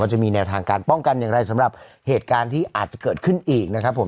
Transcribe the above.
จะมีแนวทางการป้องกันอย่างไรสำหรับเหตุการณ์ที่อาจจะเกิดขึ้นอีกนะครับผม